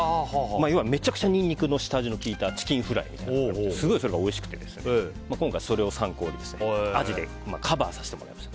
めちゃくちゃニンニクの下味の効いたチキンフライなんですがすごくそれがおいしくて今回それを参考にアジでカバーさせてもらいました。